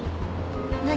何？